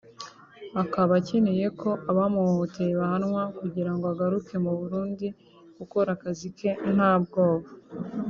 akaba akeneye ko abamuhohoteye bahanwa kugira ngo agaruke mu Burundi gukora akazi ke nta bwoba